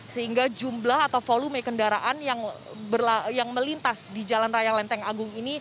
sehingga jumlah atau volume kendaraan yang melintas di jalan raya lenteng agung ini